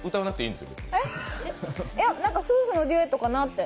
いや、夫婦のデュエットかなって。